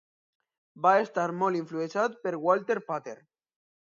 Va estar molt influenciat per Walter Pater.